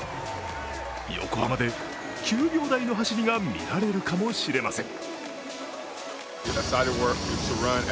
横浜で９秒台の走りが見られるかもしれません。